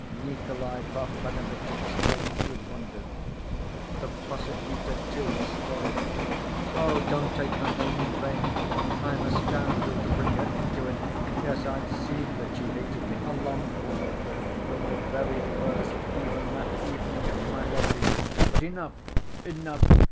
Nikolay Parfenovitch exclaimed with wonder. The prosecutor, too, stared. "Oh, don't take her name in vain! I'm a scoundrel to bring her into it. Yes, I've seen that she hated me ... a long while.... From the very first, even that evening at my lodging ... but enough, enough.